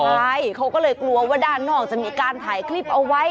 ใช่เขาก็เลยกลัวว่าด้านนอกจะมีการถ่ายคลิปเอาไว้